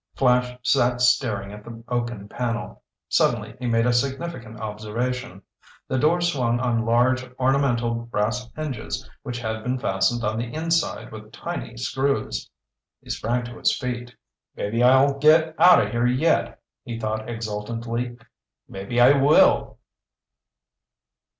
Flash sat staring at the oaken panel. Suddenly he made a significant observation. The door swung on large ornamental brass hinges which had been fastened on the inside with tiny screws. He sprang to his feet. "Maybe I'll get out of here yet!" he thought exultantly. "Maybe I will!"